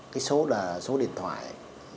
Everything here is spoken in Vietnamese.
cái số là số điện thoại